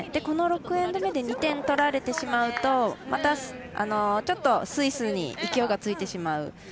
この６エンド目で２点取られてしまうとまたちょっとスイスに勢いがついてしまう。